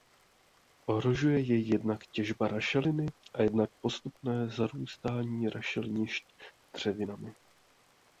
Ohrožuje jej jednak těžba rašeliny a jednak postupné zarůstání rašelinišť dřevinami.